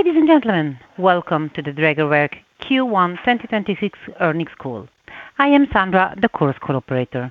Ladies and gentlemen, welcome to the Drägerwerk Q1 2026 earnings call. I am Sandra, the Chorus Call operator.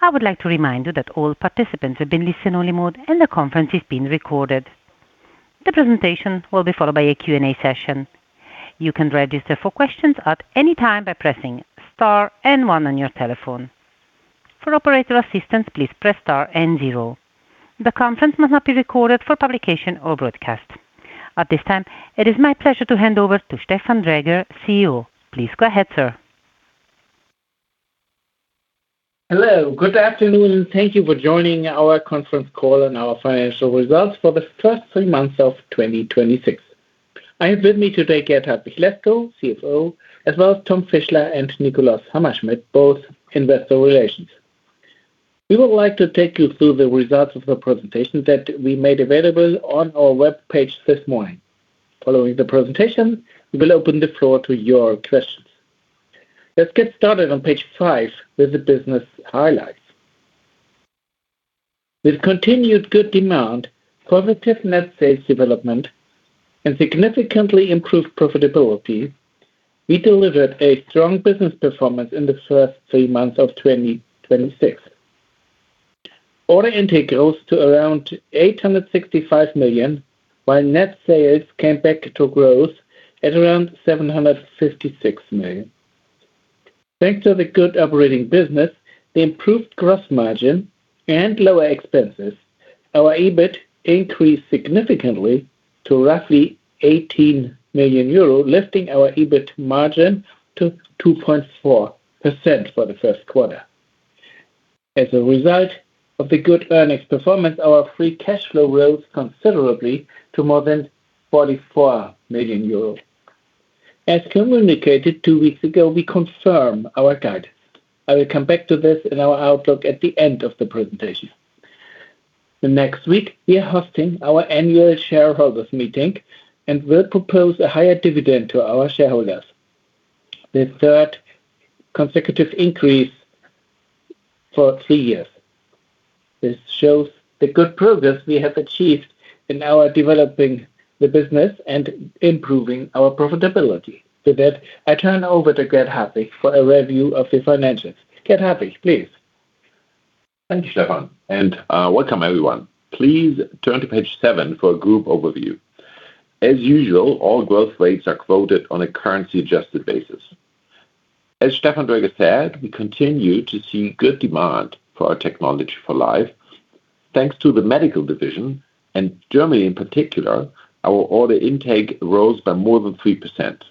I would like to remind you that all participants have been listen-only mode and the conference is being recorded. The presentation will be followed by a Q and A session. You can register for questions at any time by pressing Star and one on your telephone. For operator assistance, please press Star and zero. The conference must not be recorded for publication or broadcast. At this time, it is my pleasure to hand over to Stefan Dräger, CEO. Please go ahead, sir. Hello. Good afternoon, and thank you for joining our conference call and our financial results for the first three significantly to roughly EUR 18 million, lifting our EBIT margin to 2.4% for the first quarter. As a result of the good earnings performance, our Free Cash Flow rose considerably to more than 44 million euros. As communicated two weeks ago, we confirm our guide. I will come back to this in our outlook at the end of the presentation. The next week, we are hosting our annual shareholders meeting and will propose a higher dividend to our shareholders. The third consecutive increase for three years. This shows the good progress we have achieved in our developing the business and improving our profitability. With that, I turn over to Gert-Hartwig Lescow for a review of the financials. Gert-Hartwig Lescow, please. Thank you, Stefan, and welcome everyone. Please turn to page seven for a group overview. As usual, all growth rates are quoted on a currency-adjusted basis. As Stefan Dräger said, we continue to see good demand for our technology for life. Thanks to the medical division and Germany in particular, our order intake rose by more than 3%.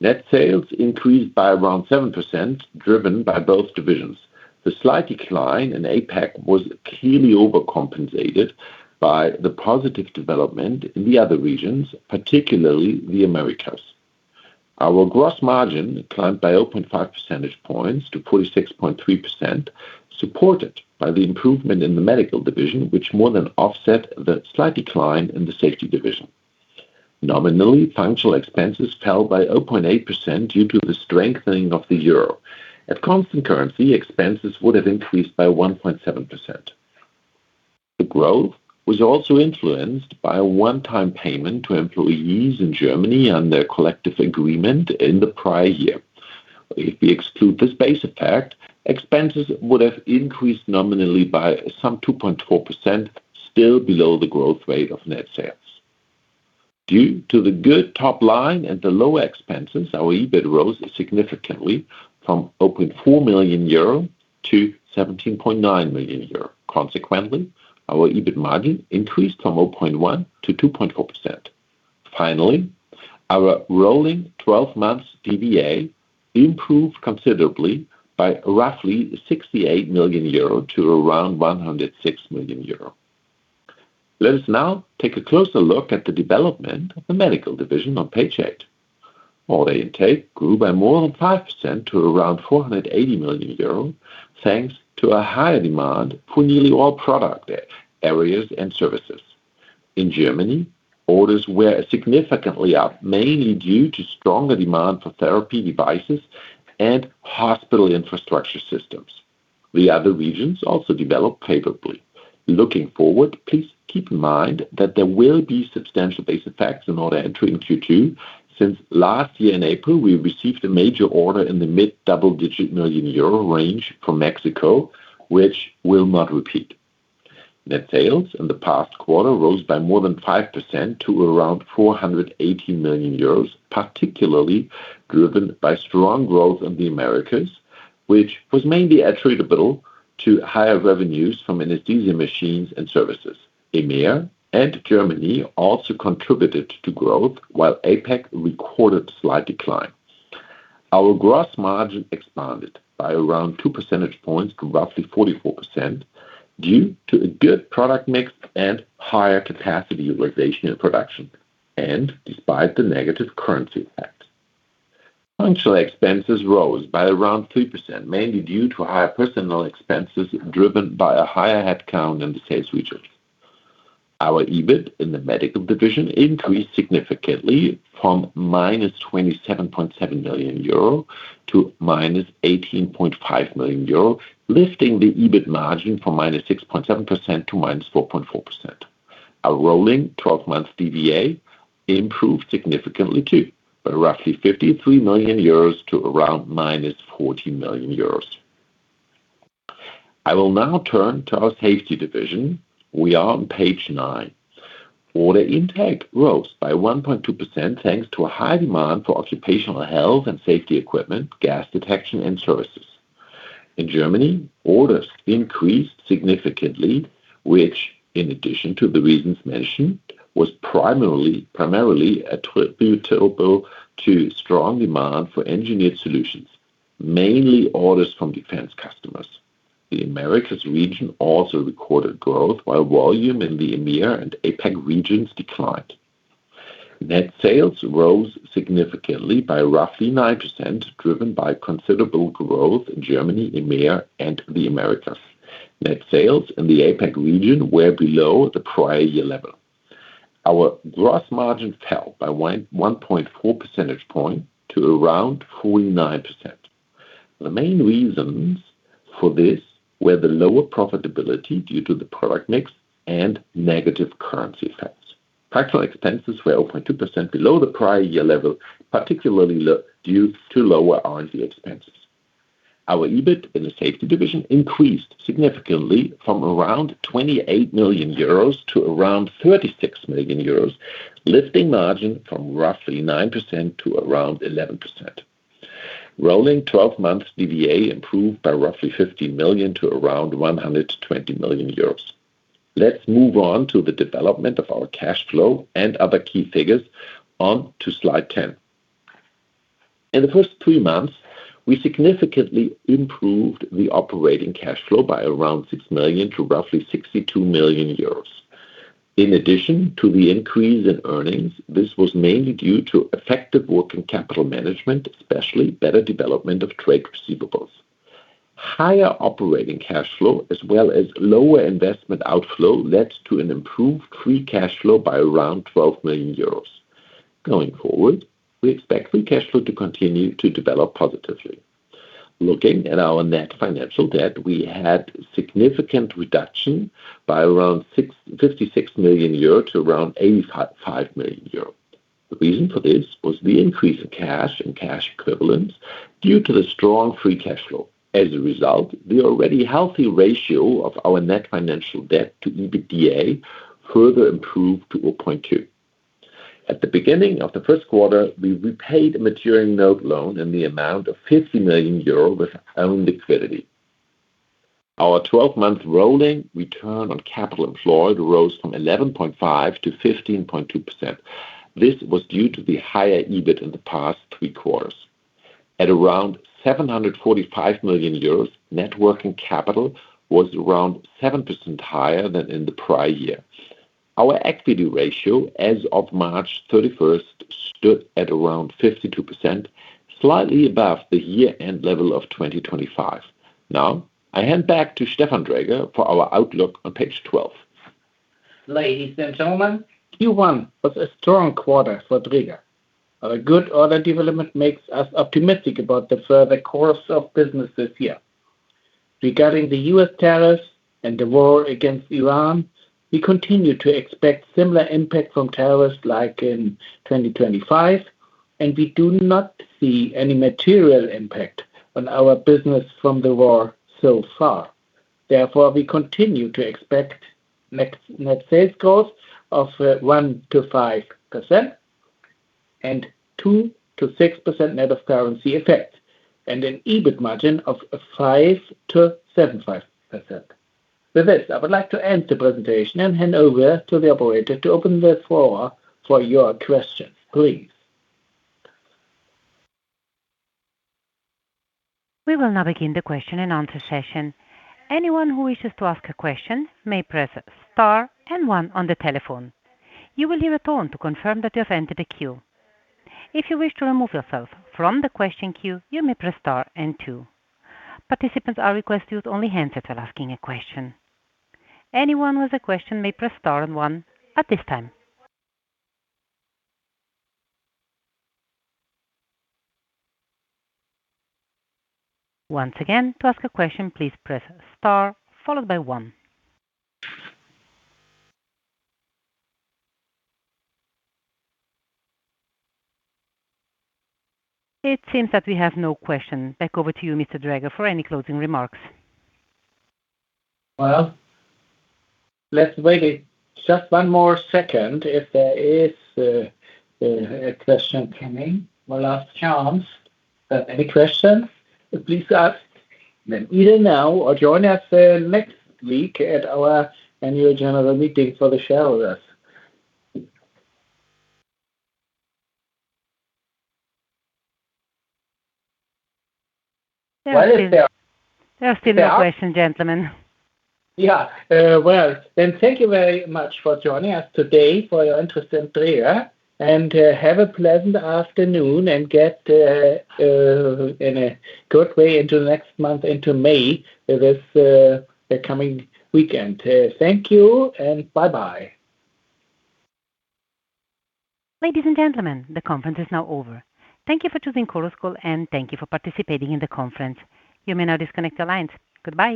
Net sales increased by around 7%, driven by both divisions. The slight decline in APAC was clearly overcompensated by the positive development in the other regions, particularly the Americas. Our gross margin climbed by 0.5 percentage points to 46.3%, supported by the improvement in the medical division, which more than offset the slight decline in the safety division. Nominally, functional expenses fell by 0.8% due to the strengthening of the euro. At constant currency, expenses would have increased by 1.7%. The growth was also influenced by a one-time payment to employees in Germany on their collective agreement in the prior year. If we exclude this base effect, expenses would have increased nominally by some 2.4%, still below the growth rate of net sales. Due to the good top line and the low expenses, our EBIT rose significantly from four million euro to 17.9 million euro. Consequently, our EBIT margin increased from 0.1% to 2.4%. Finally, our rolling twelve months EVA improved considerably by roughly 68 million euro to around 106 million euro. Let us now take a closer look at the development of the medical division on page eight. Order intake grew by more than 5% to around 480 million euros, thanks to a higher demand for nearly all product areas and services. In Germany, orders were significantly up, mainly due to stronger demand for therapy devices and hospital infrastructure systems. The other regions also developed favorably. Looking forward, please keep in mind that there will be substantial base effects in order entry in Q2 since last year in April, we received a major order in the mid double-digit million EUR range from Mexico, which will not repeat. Net sales in the past quarter rose by more than 5% to around 480 million euros, particularly driven by strong growth in the Americas, which was mainly attributable to higher revenues from anesthesia workstations and services. EMEA and Germany also contributed to growth while APAC recorded slight decline. Our Gross Margin expanded by around two percentage points to roughly 44% due to a good product mix and higher capacity utilization in production and despite the negative currency effect. Functional expenses rose by around 3%, mainly due to higher personal expenses driven by a higher headcount in the sales region. Our EBIT in the medical division increased significantly from minus 27.7 million euro to minus 18.5 million euro, lifting the EBIT margin from minus 6.7% to minus 4.4%. Our rolling 12 months EVA improved significantly too, by roughly 53 million euros to around minus 14 million euros. I will now turn to our safety division. We are on page nine. Order intake rose by 1.2% thanks to a high demand for occupational health and safety equipment, Gas Detection, and services. In Germany, orders increased significantly, which, in addition to the reasons mentioned, was primarily attributable to strong demand for engineered solutions, mainly orders from defense customers. The Americas region also recorded growth while volume in the EMEA and APAC regions declined. Net sales rose significantly by roughly 9%, driven by considerable growth in Germany, EMEA, and the Americas. Net sales in the APAC region were below the prior year level. Our gross margin fell by 1.4 percentage point to around 49%. The main reasons for this were the lower profitability due to the product mix and negative currency effects. Practical expenses were 0.2% below the prior year level, particularly due to lower R&D expenses. Our EBIT in the safety division increased significantly from around 28 million euros to around 36 million euros, lifting margin from roughly 9% to around 11%. Rolling 12 months EVA improved by roughly 50 million to around 120 million euros. Let's move on to the development of our cash flow and other key figures on to slide 10. In the first three months, we significantly improved the operating cash flow by around six million to roughly 62 million euros. In addition to the increase in earnings, this was mainly due to effective working capital management, especially better development of trade receivables. Higher operating cash flow as well as lower investment outflow led to an improved Free Cash Flow by around 12 million euros. Going forward, we expect Free Cash Flow to continue to develop positively. Looking at our net financial debt, we had significant reduction by around 56 million euro to around 85 million euro. The reason for this was the increase in cash and cash equivalents due to the strong Free Cash Flow. As a result, the already healthy ratio of our net financial debt to EBITDA further improved to 0.2. At the beginning of the first quarter, we repaid a maturing note loan in the amount of 50 million euro with our own liquidity. Our 12-month rolling return on capital employed rose from 11.5 to 15.2%. This was due to the higher EBIT in the past three quarters. At around 745 million euros, net working capital was around 7% higher than in the prior year. Our equity ratio as of March 31st stood at around 52%, slightly above the year-end level of 2025. Now, I hand back to Stefan Dräger for our outlook on page 12. Ladies and gentlemen, Q1 was a strong quarter for Dräger. Our good order development makes us optimistic about the further course of business this year. Regarding the U.S. tariffs and the war against Iran, we continue to expect similar impact from tariffs like in 2025. We do not see any material impact on our business from the war so far. Therefore, we continue to expect net sales growth of 1%-5% and 2%-6% net of currency effects and an EBIT margin of 5%-7.5%. With this, I would like to end the presentation and hand over to the operator to open the floor for your questions, please. We will now begin the question and answer session. Anyone who wishes to ask a question may press star and one on the telephone. You will hear a tone to confirm that you have entered the queue. If you wish to remove yourself from the question queue, you may press star and two. Participants are requested to use only handsets when asking a question. Anyone with a question may press star and one at this time. Once again, to ask a question, please press star followed by one. It seems that we have no questions. Back over to you, Mr. Dräger, for any closing remarks. Well, let's wait just one more second. If there is a question coming, one last chance. Any questions, please ask them either now or join us next week at our annual general meeting for the shareholders. There are still no questions, gentlemen. Yeah. Well, thank you very much for joining us today, for your interest in Dräger, and have a pleasant afternoon and get in a good way into next month, into May with the coming weekend. Thank you and bye-bye. Ladies and gentlemen, the conference is now over. Thank you for choosing Chorus Call, and thank you for participating in the conference. You may now disconnect your lines. Goodbye